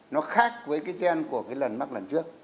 nó khác với cái gen của cái lần mắc lần trước